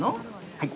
◆はい。